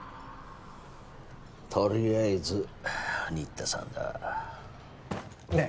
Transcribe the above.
とりあえず新田さんだねえ